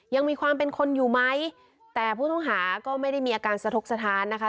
ยังมีความเป็นคนอยู่ไหมแต่ผู้ต้องหาก็ไม่ได้มีอาการสะทกสถานนะคะ